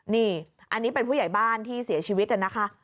นี่อันนี้เป็นผู้ใหญ่บ้านที่เสียชีวิตนะคะ